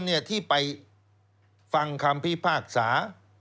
ดังนั้นคนที่ไปฟังคำพิพากษา